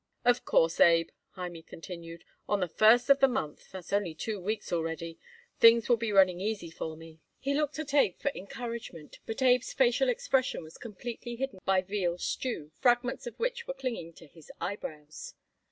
"Of course, Abe," Hymie continued, "on the first of the month that's only two weeks already things will be running easy for me." He looked at Abe for encouragement, but Abe's facial expression was completely hidden by veal stew, fragments of which were clinging to his eyebrows.